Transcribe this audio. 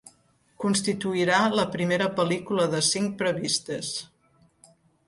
Constituirà la primera pel·lícula de cinc previstes.